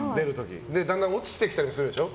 だんだん落ちてきたりするでしょ。